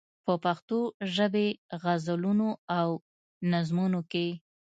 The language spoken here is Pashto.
په پښتو ژبې غزلونو او نظمونو کې.